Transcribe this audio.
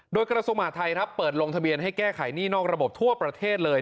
โดยกระทรวงมหาทัยครับเปิดลงทะเบียนให้แก้ไขหนี้นอกระบบทั่วประเทศเลย